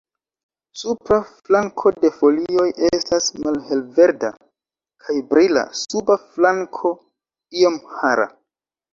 Supra flanko de folioj estas malhelverda kaj brila, suba flanko iom hara.